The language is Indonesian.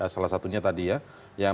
salah satunya tadi ya